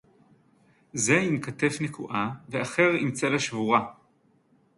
זֶה עִם כָּתֵף נקועה וְאַחַר עִם צֶלַע שְׁבוּרָה